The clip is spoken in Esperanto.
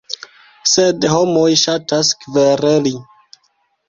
Sed homoj ŝatas kvereli.